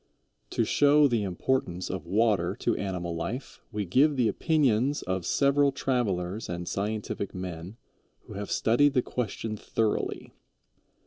To show the importance of water to animal life, we give the opinions of several travelers and scientific men who have studied the question thoroughly.